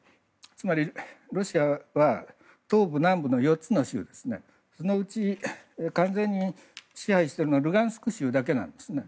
つまり、ロシアは東部、南部の４つの州でそのうち完全に支配しているのはルガンスク州だけなんですね。